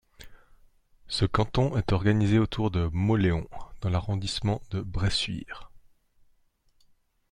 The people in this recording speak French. Ce canton est organisé autour de Mauléon dans l'arrondissement de Bressuire.